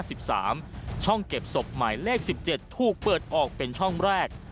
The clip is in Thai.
สิบสามช่องเก็บศพหมายเลขสิบเจ็ดถูกเปิดออกเป็นช่องแรก